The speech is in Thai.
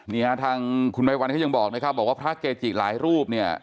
นี่ฮะทางคุณไมวันเขายังบอกนะครับบอกว่าพระเกจิหลายรูปเนี่ย